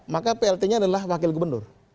maka plt nya adalah wakil gubernur